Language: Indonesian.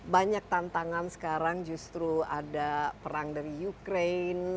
banyak tantangan sekarang justru ada perang dari ukraine